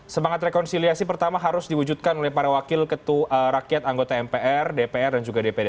semangat rekonsiliasi pertama harus diwujudkan oleh para wakil ketua rakyat anggota mpr dpr dan juga dpd